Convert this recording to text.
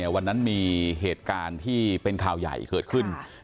วันนั้นมีเหตุการณ์ที่เป็นข่าวใหญ่เกิดขึ้น